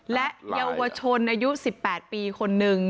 และเยาวชนอายุ๑๘ปีคนนึง